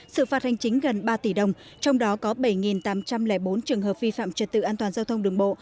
sự phạt hành chính gần ba tỷ đồng trong đó có bảy tám trăm linh bốn trường hợp vi phạm trật tự an toàn giao thông đường bộ